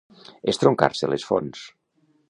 Estroncar-se les fonts.